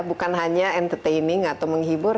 bukan hanya entertaining atau menghibur